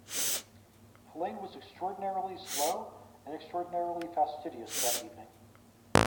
Helene was extraordinarily slow and extraordinarily fastidious that evening.